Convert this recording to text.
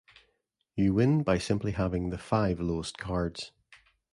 You win by simply having the five lowest cards.